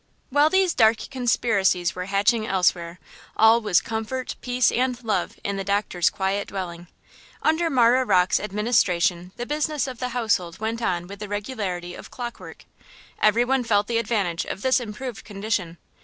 While these dark conspiracies were hatching elsewhere, all was comfort, peace and love in the doctor's quiet dwelling. Under Marah Rocke's administration the business of the household went on with the regularity of clockwork. Every one felt the advantage of this improved condition.